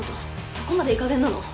どこまでいいかげんなの。